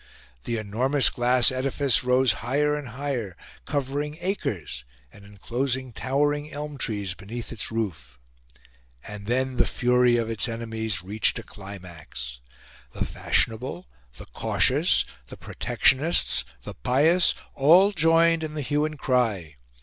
The enormous glass edifice rose higher and higher, covering acres and enclosing towering elm trees beneath its roof: and then the fury of its enemies reached a climax. The fashionable, the cautious, the Protectionists, the pious, all joined in the hue and cry.